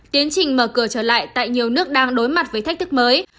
tiến trình mở cửa trở lại tại nhiều nước đang đối mặt với thách thức mới